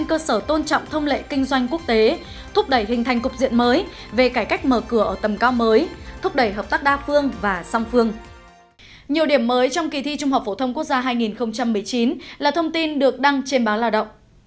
nhiều điểm mới trong kỳ thi trung học phổ thông quốc gia hai nghìn một mươi chín là thông tin được đăng trên báo lao động